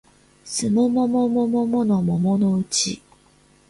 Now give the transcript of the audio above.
すもももももものもものうち